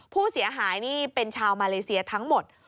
ผู้เสียหายนี่เป็นชาวมาเลเซียทั้งหมด